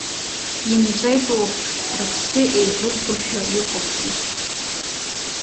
Инҵәеит урҭ, рыԥсы еивызгошәа иҟоугьы.